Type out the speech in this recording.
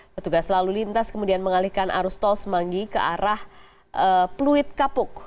petugas lalu lintas kemudian mengalihkan arus tol semanggi ke arah pluit kapuk